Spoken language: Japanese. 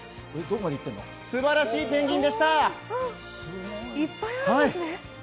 すばらしいペンギンでした！